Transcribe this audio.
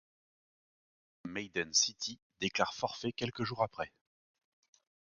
Maiden City déclare forfait quelques jours après.